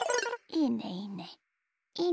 いいねいいね。